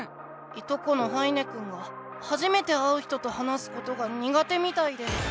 いとこの羽稲くんがはじめて会う人と話すことが苦手みたいで。